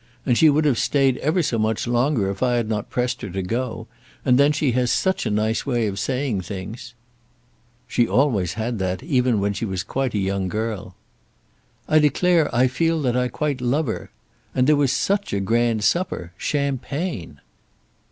And she would have stayed ever so much longer if I had not pressed her to go; and then she has such a nice way of saying things." "She always had that, when she was quite a young girl." "I declare I feel that I quite love her. And there was such a grand supper. Champagne!"